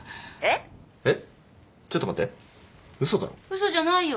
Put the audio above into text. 嘘じゃないよ。